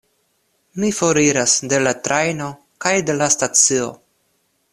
Mi foriras de la trajno, kaj de la stacio.